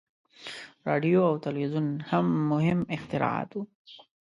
• راډیو او تلویزیون هم مهم اختراعات وو.